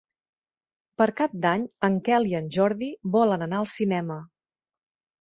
Per Cap d'Any en Quel i en Jordi volen anar al cinema.